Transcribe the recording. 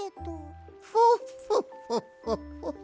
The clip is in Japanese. フォッフォッフォッフォッフォッ。